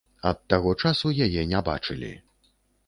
Ад таго часу яе не бачылі.